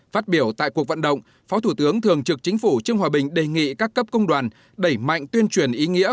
phát biểu tại cuộc vận động phó thủ tướng thường trực chính phủ trương hòa bình đề nghị các cấp công đoàn đẩy mạnh tuyên truyền ý nghĩa